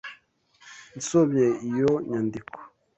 Nsomye iyo nyandiko.